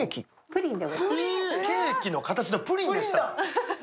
ケーキの形のプリンでした。